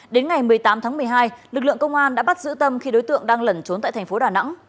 đến ngày một mươi tám tháng một mươi hai lực lượng công an đã bắt giữ tâm khi đối tượng đang lẩn trốn tại thành phố đà nẵng